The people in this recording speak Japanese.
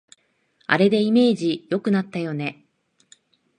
あれでイメージ良くなったよね